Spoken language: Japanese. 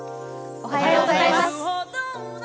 おはようございます。